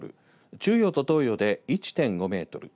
中予と東予で１．５メートル